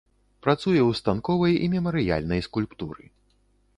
Працуе ў станковай і мемарыяльнай скульптуры.